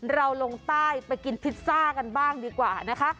ลงใต้ไปกินพิซซ่ากันบ้างดีกว่านะคะ